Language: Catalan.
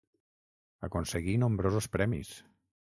Aconseguí nombrosos premis.